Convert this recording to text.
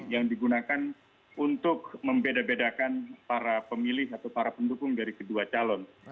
yang digunakan untuk membeda bedakan para pemilih atau para pendukung dari kedua calon